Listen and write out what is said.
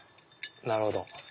なるほど。